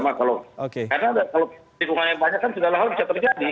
karena kalau tikungannya banyak kan sudah lah hal bisa terjadi